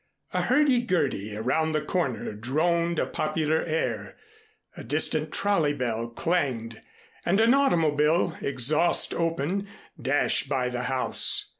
A hurdy gurdy around the corner droned a popular air, a distant trolley bell clanged and an automobile, exhaust open, dashed by the house.